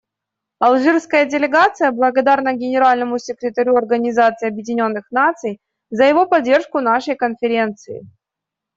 Алжирская делегация благодарна Генеральному секретарю Организации Объединенных Наций за его поддержку нашей Конференции.